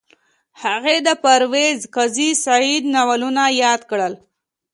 هغې د پرویز قاضي سعید ناولونه یاد کړل